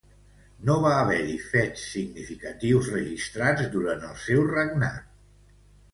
No va haver-hi fets significatius registrats durant el seu regnat.